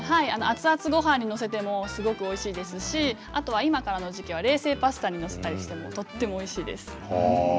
熱々ごはんに載せてもすごくおいしいですしあとは今からの時期は冷製パスタに載せてもとてもおいしいです。